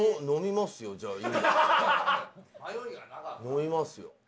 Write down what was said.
飲みますよ。